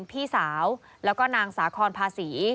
พี่สาวแล้วก็นางสาคอนภาษี